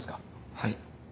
はい。